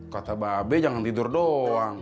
kata pak a b jangan tidur doang